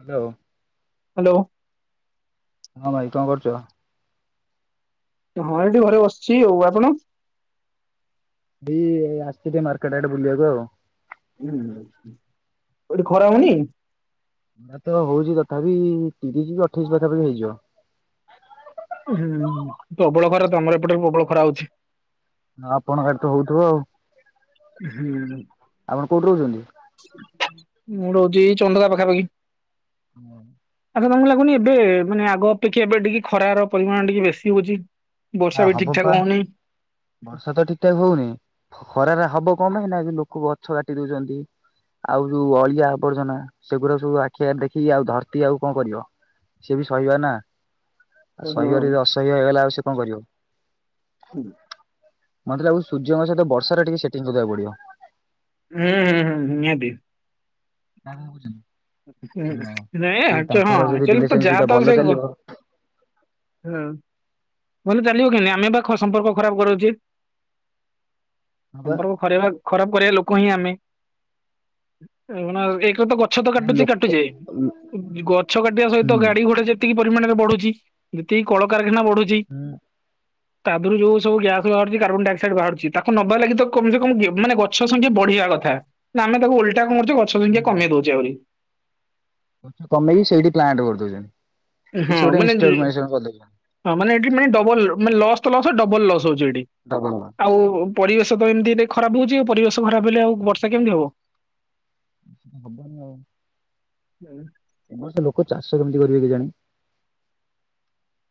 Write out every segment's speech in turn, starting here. Hello. Hello. ହଁ ଭାଇ କଣ କରୁଚ। ହଁ ଏଠି ଘରେ ବସିଛି ଆଉ ଆପଣ। ବି ଏଇ ଆସଚି ଟିକେ ମାର୍କେଟ ଆଡେ ବୁଲିବାକୁ ଆଉ। ଏଇଠୀ ଖରା ହଉନି। ନା ତ ହଉଛି ତଥାପି ତିରିଶ କି ଅଠେଇଶି ପାଖାପାଖି ହେଇଯିବ। ହୁଁ ହୁଁ ପ୍ରବଳ ଖରା ତମର ଏପଟରେ ପ୍ରବଳ ଖରା ହଉଚି। ଆପଣଙ୍କ ଆଡ଼େ ତ ହଉଥିବ ଆଉ। ହୁଁ। ଆପଣ କୋଉଠି ରହୁଛନ୍ତି। ମୁଁ ରହୁଛି ଏଇ ଚନ୍ଦକା ପାଖାପାଖି। ହୁଁ। ଆଚ୍ଛା ତମକୁ ଲାଗୁନି ଏବେ ମାନେ ଆଗ ଅପେକ୍ଷା ଏବେ ଟିକେ ଖରାର ପରିମାଣ ଟିକେ ବେଶୀ ହଉଛି। ବର୍ଷା ଆ ବି ଠିକ ହବ ଠାକ ପା ହଉନି। ବର୍ଷା ତ ଠିକଠାକ ହଉନି ଖରାରେ ହବ। ଙ୍କ ପାଇଁ କିନା ଲୋକ ଗଛ କାଟି ଦଉଛନ୍ତି। ଆଉ ଯୋଉ ଅଳିଆ ଆବର୍ଜନା ସେଗୁଡା ସବୁ ଆଖି ଆଗ ରେ ଦେଖିକି ଆଉ ଧରତି ଆଉ କଣ କରିବ। ସିଏ ବି ସହିବ ନା ଆଉ ହଁ। ସହିବାରେ ଯଦି ଅସହ୍ୟ ହେଇଗଲା ଆଉ ସେ କଣ କରିବ। ହୁଁ। ମତେ ଲାଗୁଛି ସୂର୍ଯ୍ୟଙ୍କ ସହିତ ବର୍ଷାରେ ଟିକେ ସେଟିଂ କରିବାଦବାକୁ ପଡିବ। ହୁଁ ହୁଁ [unintelligible] ତା କ ବୁଝ [unintelligible] [unintelligible] ତାଙ୍କର ଯଦି ହଁଚୁଆ ତ ରିଲେସନସିପ୍ ଯାହା ଟା ତ ବି ଭଲ ସେ କହ ଚାଲିବ [unintelligible] ହଁ ଭଲ ଚାଲିବ କେମିତି ଆମେ ବା ସମ୍ପର୍କ ଖରାପ କରାଉଛେ। ହଁ ବା ସମ୍ପର୍କ [unintelligible] ଖାଇବା [unintelligible] ଖରାପ କରିବା ଲୋକ ହିଁ ଆମେ। [unintelligible] ଗଛ ତ ନା କାଟୁଚେ ଲୋକ କାଟୁଛେ ହୁଁ ଗଛ କାଟିବା ସହିତ ଗାଡି ହୁଁ ଘୋଟେ ଯେତିକି ପରିମାଣରେ ବଢୁଛି, ଯେତିକି କଳକାରଖାନା ବଢୁଛି। ତା ଦେହରୁ ଯୋଉ ସବୁ ଗ୍ୟାସ୍ ବାହାରୁଛି କାର୍ବନ ଡ଼ାଇଅକ୍ସାଇଡ ବାହାରୁଛି, ତାକୁ ନବାଲାଗି କମ ସେ କମ ମାନେ ଗଛ ସଂଖ୍ୟା ବଢ଼ିବା କଥା। କଥା, ନା ଆମେ ତାକୁ ଓଲଟା କମ କରୁଛୁ ଗଛ ସଂଖା ହୁଁ କମେଇ ଦଉଛେ ଆହୁରି। କମେଇକି ସେଇଠି ପ୍ଲାଣ୍ଟ କରିଦଉଛନ୍ତି। ହଁ କିଛି ଗୋଟେ ମାନେ, ଇନଷ୍ଟଲମେସନ କରିଦଉଛନ୍ତି ହଁ ମାନେ, ଏଠି ମାନେ ଡବଲ ମାନେ ଲସ୍ ତ ଲସ୍ ଡବଲ ଲସ୍। ଠି ଡବଲ ଆଉ ପରିବେଶ ତ ଏମିତି ଖରାପ ହଉଛି ଆ ପରିବେଶ। ଖରାପ ହେଲେ ଆଉ ବର୍ଷା କେମିତି ହବ। ଖବର ନ ଆଉ [unintelligible] [inaudible] ସମ ତ ଲୋକ ଚାଷ କେମିତି କରିବେ କେଜାଣି?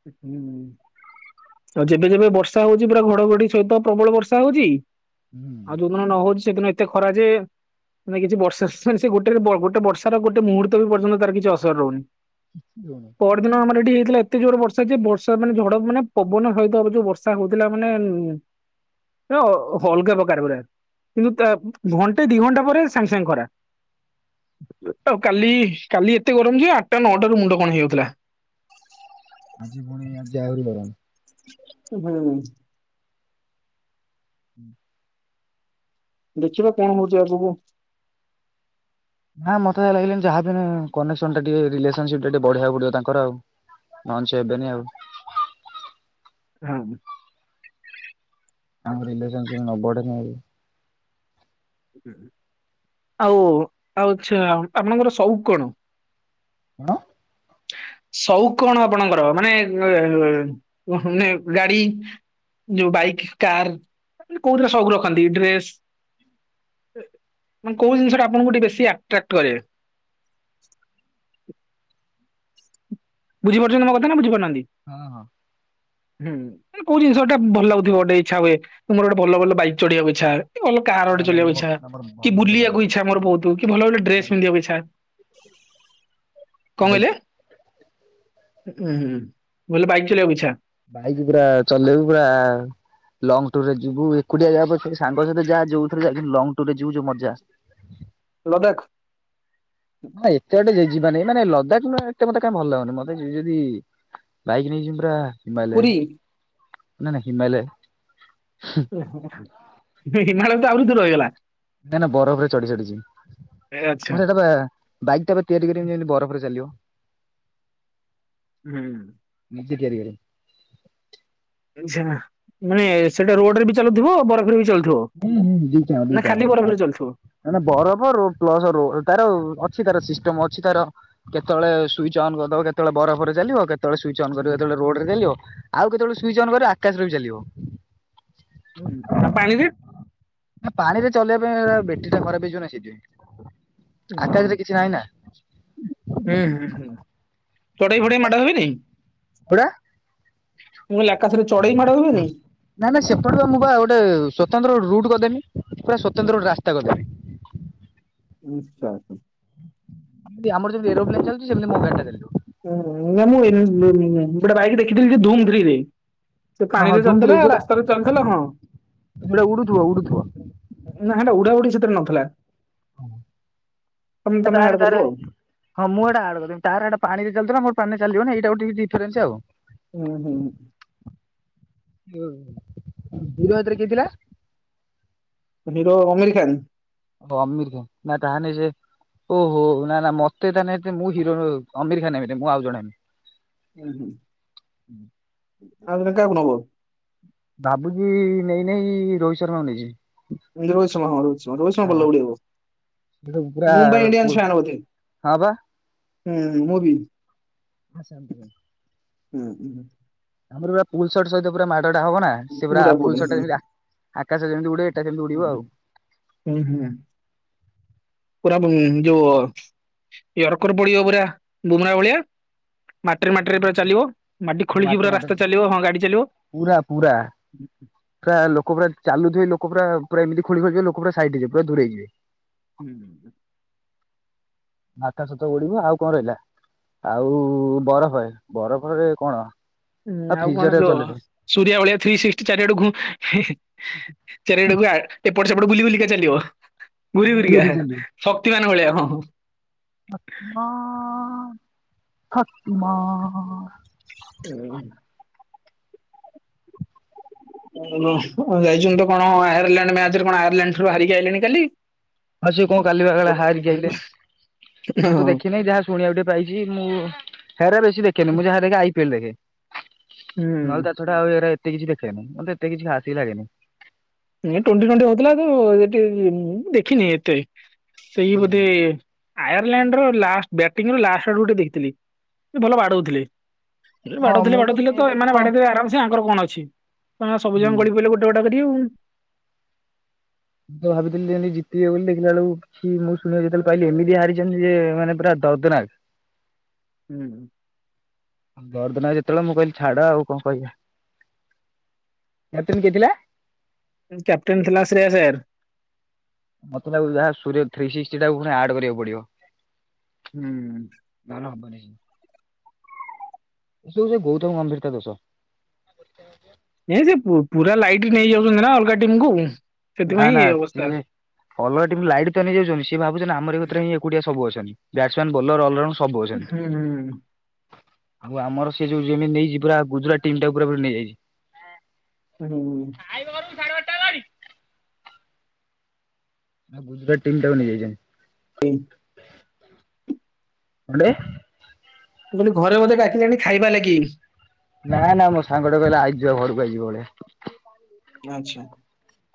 [unintelligible] ଆଉ ଯେବେ ଯେବେ ବର୍ଷା ହଉଛି, ପୁରା ଘଡଘଡି ସହିତ ପ୍ରବଳ ବର୍ଷା ହଉଛି। ହୁଁ ଆଉ ଯୋଉଦିନ ନ ହଉଛି ସେଦିନ ଏତେ ଖରା ଯେ, ମାନେ କିଛି ବର୍ଷା ମାନେ, ସେ ଗୋଟେ ଗୋଟେ ବର୍ଷା ଗୋଟେ ମୁୂହୁର୍ତ ବି ପର୍ଯ୍ୟନ୍ତ ତାର କିଛି ଅସର ରହୁନି। ଶୁଣୁ, ପର ଦିନ ଆମର ଏଠି ହେଇଥିଲା ଏ। ଏତେ ଯୋଉର ବର୍ଷାଛି ବର୍ଷା ମାନେ ଝଡ ମାନେ ପବନ ସତ ଯୋଉ ବର୍ଷା ହଉଥିଲା ମାନେ, ହଲ କେ ବକାର ପୁରା। କିନ୍ତୁ ଘଣ୍ଟେ ଦି ଘଣ୍ଟା ପରେ, ସାଙ୍ଗେସାଙ୍ଗେ ଖରା। ଆଉ କାଲି, କାଲି ଏତେ ଗରମ ଯେ ଆଠଟା ନଅଟ ର ମୁଣ୍ଡ କଣ ହେଇଯାଉଥିଲା। ଆଜି ପୁଣି ଆଜି ଆହୁରି ଗରମ। ହୁଁ। [inaudible] ଦେଖିବା କଣ ହଉଛି ଆଗକୁ। ନା ମତେ ଲାଗିଲଣି ଯାହା ବି କନେକ୍ସନ ଟା ଟିକେ ରିଲେସନସିପ୍ ଟା ଟିକେ ବଢେଇବାକୁ ପଡିବ ତାଙ୍କର ଆଉ। ନହେଲେ ସେ ହେବେନି ଆଉ। ହଁ। ଆ ରିଲନ୍ ନ [unintelligible] ଆଉ ଆଉଛା ଆପଣଙ୍କର ସଉକ କଣ? ହଣ [unintelligible] ସଉକ କଣ ଆପଣଙ୍କର? ମାନେ ମାନେ ଗାଡି। ଯୋଉ ବାଇକ, କାର କୋଉଥିରେ ସବୁ ରଖନ୍ତି ଡ୍ରେସ। ମାନ କୋଉ ଜିନିଷଟା ଆପଣଙ୍କୁ ଟିକେ ବେଶୀ ଆଟ୍ରାକ୍ଟ କରେ? [inaudible] ବୁଝିପାରୁଛନ୍ତି ମୋ କଥା ନା, ବଝିପାରୁନାହାନ୍ତି। ହଁ ହଁ। ହୁଁ କୋଉ ଜିନିଷଟା ଭଲଲାଗୁଥିବ ଗୋଟେ ଇଚ୍ଛାହୁଏ, ମୋର ଗୋଟେ ଭଲ ଭଲ ବାଇକ୍ ଚଢ଼ିବାକୁ ଇଚ୍ଛା। ଭଲ କାର୍ ନା ଗୋଟେ ନା ମୋ ଚଲେଇବାକୁ ଇଛା, ନା ମୋର ଭଲ କି ଭଲ ବାଇକ୍ ବୁିବାକୁ ଇଛା ମୋର ବହୁତ, କି ଭଲ ଭଲ ଡ୍ରେସ ବାଇକ୍ ପିନ୍ଧିବାକୁ ଇଛା? ବାଇକ୍। ଉୁଁ ହୁଁ ଭଲେ ବାଇକ ଚଲେଇବାକୁ ଇଛା। ଭାଇକ ପୁରା ଚଲେଇବୁ ପୁରା। ଲଙ୍ଗ ଟୁର ରେ ଯିବୁ, ଏକୁଟିଆ ଯା ସାଙ୍ଗ ସହିତ ଯାହା ଯୋଉରେଜା ଲଙ୍ଗ ଟୁୁର ରେ ଯିବୁ ଯଉ ମଜା। [inaudible] ଲଦଖ [unintelligible] ହଁ ଏତେ ଗଟେ ଯ। [unintelligible] ଯିବାନି ମାନେ ଲଦାଖଟା, ମୋତେ କଁ ଭଲ ଲାଗୁନି, ମତେ ଯିବ ଯଦି ବାଇକ ନେଇଯିବୁ ପୁରା। ପୁରୀ ହିମାଳୟେ। [unintelligible] ନାଇଁ ନା ବରଫରେ ଚଢି ଚଢ଼ି ଯିବି। ଏ ଆଚ୍ଛା ମୁଁ ସେଟା ବା ବାଇକ ଟାକୁ ଏ ତିଆରି କରିବି ଯେମିତି ବରଫରେ ଚାଲିବ। ହୁଁ। ଯିଏ ତିଆରି କରି ଝା ମାନେ ସେଟା ରୋଡରେ ବି ଚାଲୁଥିବ, ବରଫରେ ବି ଚାଲୁଥିବ। ହୁଁ ହୁଁ ଦୁଇଟା ନା ଦୁଇଟା ଖାଲି ହ ଆ ବରଫରେ ଚାଲୁଥିବ? ମନା ନା ବରଫ ରୁ ପ୍ଲସ ତାର ଅଛି ତାର ଶିଷ୍ଟ ଅଛି ତାର, କେତେବେଳେ ସୁଇଚ୍ ଅନ୍ କରିଦବ କେ ଳେ ବରଫରେ ଚାଲିବ, କେତବେଳେ ସୁିଇଚ ଅନ କରିବ ଯେତେବେଳେ ରୋଡ଼ ରେ ଚାଲିବ। ଆଉ କେତେବେଳ ସୁଇଚ୍ ଅନ୍ କରିବ ଆକାଶରେ ବି ଚାଲିବ। ହୁଁ, ଆଉ ପାଣିରେ? ପାଣି ରେ ଚଲେଇବା ପାଇଁ ବେଟ୍ରି ଟା ଖରାପ ହେଇଯିବ ନା ସେଇଥିପାଇଁ। ଓହୋ ଆକାଶରେ କିଛି ନାହିଁ ନା। ହୁଁ ହୁ ହୁଁ ଚଡେଇ ଫଡେଇ ମାଡ଼ ହେବେ କି ନାଇଁ ପୁରା। ନା ନା ସେପଟେ ତ ମୁ ପା ଗୋଟେ ସ୍ଵତନ୍ତ୍ର ରୁଟ ଦେବି ପୁରା ସତନ୍ତ୍ର ଗୋଟେ ରାସ୍ତା କରିଦେବି। ଆଛା। ଆମର ଯେମିତି ଏରୋପ୍ଲେନ ଚାଲୁଚି, ସେମିତି ମୋବଇଲ ଟା ଚାଲି ଯିବ। ହଁ ନା ମୁଁ ଗୋଟେ ବାଇକ ଦେଖିଥିଲି ଧୁମ ଥ୍ରୀ ରେ। ସେ ହଁ ହଁ ପାଣିରେ ଚାଲୁଥିଲା, ରାସ୍ତାରେ ଚାଲୁଥିଲା ହଁ। ଏଟା ଉଡୁଥିବ, ଉଡ଼ୁଥିବ ନା ହେଟା ଉଡା ଉଡି ନଥିଲା। ତମେ ତମେ ଆଡ ତାରେ, କରିବ ତାରେ ଆଉ ହଁ ମୁଁ ଏଟା ଆଡ କରି ତାର ହେଟା ପାଣି ଚାଲୁଥିଲା ମର ପାନେ ଚାଲିବ ନା ଏଇଟା ଟିକେ ଡିଫରେନ୍ସ ଆଉ। ହୁଁ ହୁଁ। ହ [unintelligible] ବିରଭଦ୍ର କିଏ ଥିଲା? ହିରୋ ଆମିର ଖାନ। ଓ ଅମିର ଖାନା, ନା ତାହିନେ ସେ ଓହୋ ନା, ନା, ମତେ ତା ନହି ମୁଁ ହିରୋ ଅମିର ଖାନ ହେବିନି, ମୁଁ ଆଉ ଜଣ ହେବି ହଁ ହୁଁ ଆ [unintelligible] ବାବୁଜୀ ନେଇନେଇ ରୋହିତ ଶର୍ମାଙ୍କୁ ନେଇଛି [unintelligible] ବୋଲାବୁଲି ହଉ। ସେ ସବୁ ପୁରା ମୁମ୍ବାଇ ପୁ ଇଡିୟନ୍ସ ଫ୍ୟାନ ହଁ ବା ହଥିଲେ ହୁ ମୁଭି ଆସାନ୍ତି ଭ [inaudible] ହୁଁ ହୁଁ। ଆମର ପୁରସଟ ସହିତ ପୁରା ମାଡ ଟା ହବ ନା, ସେ ପୁରା ପୁଲସଟା ଯେତି ଆକାଶ ଯେମିତି ଗୋଟେ ହଁ ହଁ ପୁରା ରୁ ଯୋଉ ୟର୍କର ପଡିବ ପୁରା ବୁମ୍ରା ଭଳିଆ ମାଟିରେ ମାଟିରେ ପୁରା ଚାଲିବ, ମାଟି ହଁ ଖୋଳିକି ମାଟିରେ ପୁରା ମାଟିରେ ରାସ୍ତା ଚାଲିବ ହଁ ଗାଡି ଚାଲିବ। ପୁରା, ପୁରା, ପୁରା ଲୋକ ପୁରା ଚାଲୁଥିବେ ଲୋକ ଲୋକ ପୁରା ପା ଏମିତି ଖୋଳିବ ଯେ ଲୋକ ପୁରା ସାଇଡ ହେଇଯିବେ, ପୁରା ଦୂରେଇଯିବେ। ହୁଁ ହୁଁ ହ। ଆକାଶ ସତ ଉଡିବ ଆଉ କଣ ରହିଲା? ଆଉ ବରଫ, ବରଫରେ କଣ ଉଁ ଆଉ କଣ ଯ ସୂରିଆ ଭଳିଆ ଥ୍ରୀ ସିକ୍ସଟି ଚାରିଆଡକୁ ଚାରିଆଡକୁ ଏପଟ ସେପଟ ବୁଲି ବୁଲିକା ଚାଲିବ ଘୁରି ହଁ ଘୁରି କା, ଶକ୍ତିମାନ ଭଳିଆ, ହଁ ହଁ ମାନ ଶକ୍ତିମାନ ହୁଁ। ଯାଇଛନ୍ତି ତ କଣ ଆୟାରଲାଣ୍ଡ ମ୍ୟାଚରେ କଣ ଆୟାରଲାଣ୍ଡ ଠ ହାରିକି ଆଇିଲଣି କାଲି ଆ ସେ କଣ କାଲିିବା କାଳେ ହଁ ହାରିକି ଆଇଲେ। ମୁଁ ତ ଦେଖିନିଁ ଯାହା ଶୁଣିବାକୁ ଟିକେ ପାଇଛି ମୁଁ ହେରା ବେଶୀ ଦେଖେନି ମୁଁ ଯାହା ଦେଖେ ଆଇ ପିଏଲ୍ ଦେଖେ। ନହେଲେ ହୁଁ। ତା ଛଡା ଆଉ ଏ ଏତେ କିଛି ଦେଖେନି, ମତେ ଏତେ କିଛି ହାସିକି ଲାଗେନି [unintelligible] ଟ୍ୱେଣ୍ଟି ଟ୍ୱେଣ୍ଟି ହଉଥିଲା ତ, ସେଠି ଦେଖିନି ଏତେ ସେଇ ହୁଁ। ବୋଧେ ଆୟ ଲଣ୍ଡ ଲାଷ୍ଟ ବଟିଂ ର ଲାଷ୍ଟ ଆଡ ଗୋଟେ ଦେଖଥିଲି, ସେ ଭଲ ବାଡଉଥିଲେ। ହଁ ବାଡୁଥିଲେ, ମୁଁ ବାଡୁଥିଲେ ଶୁଣିବାକୁ ତ ପାଇଛି ଏମାନେ କଣ ବାଡେଇ ଦେବେ ଆରାମସ ଆଙ୍କର କଣ ଅଛି? ତେ ସବୁ ଜଣ ହୁଁ ଗଡି ପିଇଲେ, ଗୋ ଗୋଟ କରି। ମୁଁ ତ ଭାବିଥିଲି ଯେମତି ଜିତିବି ବୋଲି, ଦେଖିଲା ଵେ ଳକୁ କିଛି ମୁଁ ଶୁଣିବାକୁ, ଯେତେବେଳେ ପାଇଲିି ଏମିତି ହାରିଛନ୍ତି ଯେ, ମାନେ ପୁରା ଦଉଦ୍ଦନାଗ [unintelligible] ହୁଁ ଦରଦିନ ଯେତେବେଳେ, ମୁଁ କହିଲି ଛାଡ ଆଉ କଣ କହିବା। ଏତନ କେଥି ଲା [unintelligible] କ୍ୟାପଟେନ୍ ଥିଲା ଶ୍ରେୟା ସର। ମତେ ଯାହା ସଥ ଟାକୁ ପଣି ଆଡ କରିବାକୁ ପଡିବ। ହୁଁ ହଁ [inaudible] ଉ ସେ ଗୌତମ ଗମ୍ଭୀରତା ଦଷ ଏ ସେ ପୁରା ଲାଇଟ ନେଇଯାଉଛନ୍ତି ନା ଅଲଗା ଟିମକୁୁ, ସେଥିପାଇଁଁ ଏଇ ଅବସ୍ଥା। ବଲର ଲାଇଟ୍ନ ନେଇଯାଉଛନ୍ତି ସି ଭାବୁଛନ୍ତି ଆମ ଏ କରେଁ ଏକୁଆ ସବୁ ଅଛନ୍ତି ବ ହୁଁ ହୁଁ। ଆଉ ଆମର ସେ ଯୋଉମତି ନେଇ ପୁରା ଗୁଜୁରାଟ ଟିମ୍ ଟା ପୁରା ପୁରି ନେଇଯାଇଛି। ହୁଁ। [unintelligible] ତା ଗାୀ [unintelligible] ହଁ ଗୁଜୁରଟ୍ ଟିମ ଟାକୁ ନେଇ ଯାଇଛନ୍ତି। ହୁଁ। [unintelligible] କଡେ ମୁଁ କହିଲି ଘରେ ବୋଧେ ଡାକିଲେଣି ଖାଇବା ଲାଗି ନା ନା ମୋ ସାଙ୍ଗଟେ କହିଲେ ଆଇ [unintelligible] ଯ ଘରକୁ ଆଇଯିବ ବଳିଆ [unintelligible] ଆଚ୍ଛା।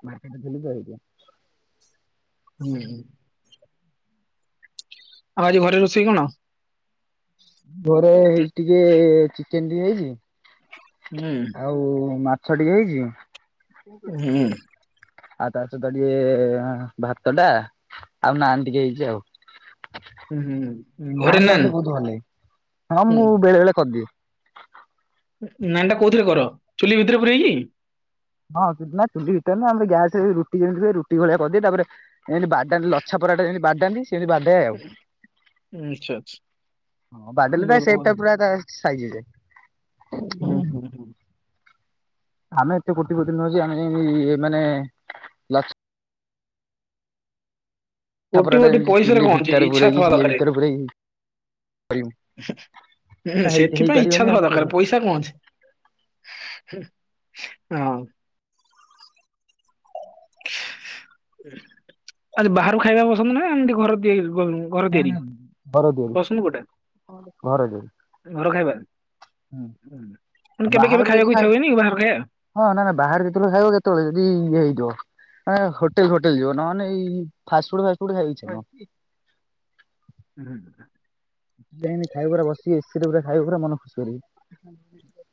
ମାର୍କେଟ [unintelligible] ଖଲଛ ହେଇ [unintelligible] ହୁଁ ହୁଁ। ଆଉ ଆଜି ଘରେ ରୋଷେଇ କଣ? ଘରେ ହେଇ ଟିକେ ଚିକେନ ଟିକେ ହେଇଛି ହୁଁ ଆଉ ମା [unintelligible] ଛଡି ଯାଇଛି। ହୁଁ। ଆଉ ତା ସହିତ ଟିକେ ଭାତ ଟା ଆଉ ନାନ୍ ଟିକେ ହେଇଛି ଆଉ। ହୁଁ ହୁଁ ହୁଁ। ନାନ୍ ଟା ମତେ ବହୁତ ଭଲ ଲାଗେ ହଁ ହୁଁ ମୁୁ ବେଳେବେେଳେ କରିଦିଏ। ନାନ ଟା କୋଉଥିରେ କର, ଚୁଲି ଭିତରେ ପୁରେଇକି। ହଁ ନା ଚୁଲି ଭିତରେ ନା ଆମେ ଗ୍ୟାସ ରୁଟି ଯେମିତି ହୁ ରୁଟି ଭଳିଆ କରିଦିଏ ତାପରେ [unintelligible] ବା ଲଛା ପରାଟା ଯେମିତି ବାଡାନ୍ତି ସେମିତି ବାଡାଏ ଆଉ ଆଚ୍ଛା ଆଚ୍ଛା ହଁ ବାଡେଇଲେ ତା ଭଲ ସେପ୍ ଭଲ ଟା ପୁରା ତା ସାଇଜ୍ ହେଇ ଯାଏ। ହୁଁ ହୁଁ ହୁଁ। ଆମେ ଏତେ କୋଟି କୋଟି ନଉଛେ ଆମେଇ ମାନେ ଲ କୋଟି ପରାଟା କୋଟି ଯେମିତି ପଇସା ରେ ଚୁଲି କଣ ଅଛି ଭିତରେ ଇଚ୍ଛା ପୁରେଇକି ଥିବା ଇଏ ଦରକାରେ ଭିତରେ ପୁରେଇକି କରିବୁ ହଁ ହେଇ ସେଥିପାଇଁ ଇଛା ହେଇପାରିବନି ଆଉ ଥବା କଣ ଦରକାର କରିବା। ପଇସା କଣ ଅଛି। ହଁ। ଆଜି ବାହାରୁ ଖାଇବା ପସନ୍ଦ ନାହିଁ, ଏମିତି ଘର ଦି ହେ। ଘର ନା ତିଆରି ନା ଘର ତିଆରି ପସନ୍ଦ କୋଉଟା ଘର ତିଆରି ଘର ଖାଇବା। ହୁଁ। ମାନେ କେବେ କେବେ ବାହାରୁ ଯଦି ଖାଇବାକୁ ଇଚ୍ଛା ଖାଇ ହୁଏନି ବାହାର ଖାଇବା? ହଁ ନା ନା ଇ ବାହାରେ ଯେତେବେଳେ ଖାଇବ କେତେବେଳେ ଯଦି ଇଏ ହେଇ। ଯ ହୋଟେଲ ଫୋଟେଲ ଯିବ ନହାନେ ଏଇ ଫାଷ୍ଟ ଫୁଡ ଫାଷ୍ଟ ଫୁଡ ଖାଇବା ଇଛା ନାହିଁ। ହୁଁ ହୁଁ। ଖାଇବା ପା ବସି ଏସିରେ ପୁରା ଖାଇବ ପୁରା ମନ ଖୁସି କରିକି।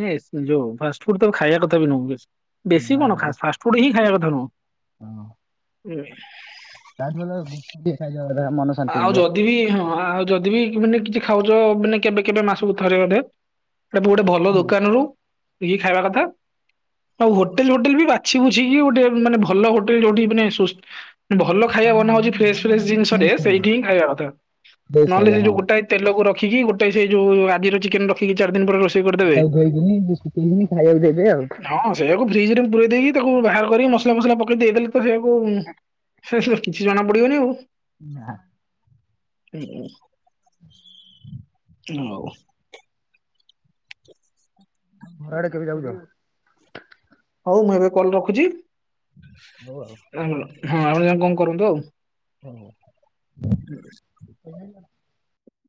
ହୁଁ ଯୋଉ ଫାଷ୍ଟଫୁଡ ତ ଖାଇବା କଥା ବି ନୁହଁ ବେଶୀ ବେଶୀ କଣ୍ ଫାଷ୍ଟଫୁଡ ହିଁ ଖାଇବା କଥା। ନୁହଁ। ହଁ। ହୁଁ। ତା ଭଲ ଗୁପଚୁପ ଟିକେ ଖାଇଦବା କଥା ମନ ଶାନ୍ତି ଆଉ ହେଇଯିବ। ଯଦି ବି ହଁ ଆଉ ଯଦି ବି ମାନେ କିଛି। ଖାଉଛ ମାନେ କେବେ କେବେ ମାସକୁ ଥରେ ଅଧେ ତେବେ ଗୋଟେ ଭଲ ଦୋକାନରୁୁ। ଟିକିଏ ଖାଇବା କଥା। ଆଉ ହୋଟେଲ ହୋଟେଲ ବି ବାଛି ବୁଛିକି ଗୋଟେ ମାନେ ଭଲ ହୋଟେଲ ଯୋଉଠି ମାନେ ସୋ। ଭଲ ଖାଇବା ଫ୍ରେଶ୍ ବନା ହଉଛି ଫ୍ରେଶସ୍ ଫ୍ରେଶ୍ ଖାଇବା ଜିନିଷରେ। ଫ୍ରେସ୍ ସେଇଠି ହିଁ ଖାଇବା କଥା ଫ୍ରେସ୍ ନହେଲେ ଖାଇବା ସେଉ ହଁ ଗୋଟା ତେଲକୁ ରଖିକି ଗୋଟେ ସେଇ ଯୋଉ ଆଜିର ଚିକେନ ରଖିକି ଦିନ ପରେ ରୋଷେଇ କରିଦବେ ତାକୁ ଧୋଇକିନି ଶୁଖେଇକିନି ଖାଇବାକୁ ଦେବେ ଆଉ। ହଁ ସେଇୟାକୁ ଫ୍ରିଜ ରେ ପୁରେଇ ଦେଇକି। ତାକୁ ବାହାର କରି ମସଲା ଫସଲା ପକେଇ ଦେଇଦେଲେ ତ ସେଇଆକୁ ସେ କିଛି ଜଣା ପଡିବନି ଆଉ। ନା। ହୁଁ ହୁଁ। ଉଁ ହଉ। ଘର ଆଡେ କେବେ ଯାଉଚ? ହଉ ମୁଁ ଏବେ କଲ୍ ରଖୁଚି। ହଉ ଆଉ ହଁ ଆପଣ ଯାଇଁ କଣ କରନ୍ତୁ ଆଉ। କହୁନୁ?